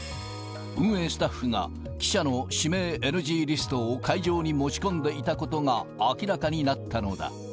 運営スタッフが記者の指名ＮＧリストを会場に持ち込んでいたことが明らかになったのだ。